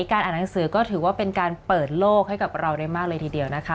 อ่านหนังสือก็ถือว่าเป็นการเปิดโลกให้กับเราได้มากเลยทีเดียวนะคะ